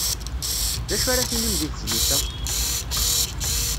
D acu ara tinim di tezlit-a?